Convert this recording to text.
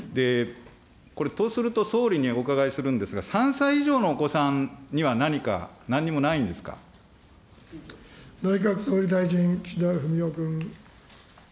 これ、とすると、総理にお伺いするんですが、３歳以上のお子さんには何か、内閣総理大臣、岸田文雄君。